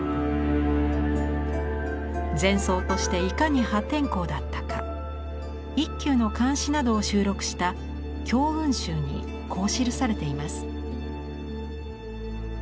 禅僧としていかに破天荒だったか一休の漢詩などを収録した「狂雲集」にこう記されています。